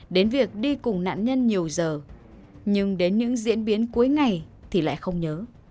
đến việc đi cùng nạn nhân nhiều giờ nhưng đến những diễn biến cuối ngày thì lại không nhớ